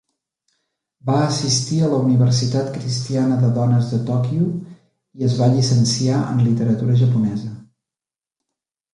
Va assistir a la Universitat cristiana de dones de Tòquio i es va llicenciar en literatura japonesa.